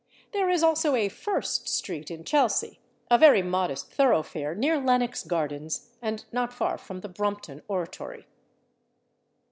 There is also a /First/ street in Chelsea a very modest thoroughfare near Lennox gardens and not far from the Brompton Oratory.